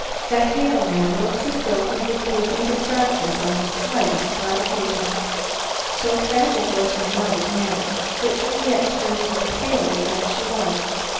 That Hale man looked as though he would do a deed of darkness on the slightest provocation." So tragic was her mother's manner, that Juliet turned even paler than she was.